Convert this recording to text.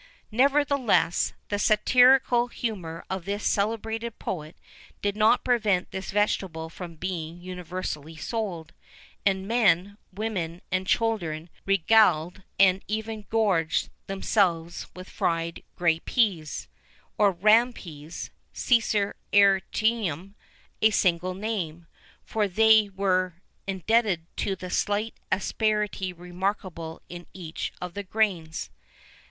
Nevertheless, the satirical humour of this celebrated poet did not prevent this vegetable from being universally sold; and men, women, and children regaled, and even gorged, themselves, with fried grey peas,[VIII 30] or ram peas (cicer arietinum), a singular name, for which they were indebted to the slight asperity remarkable in each of the grains.